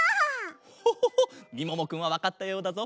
ホホホみももくんはわかったようだぞ。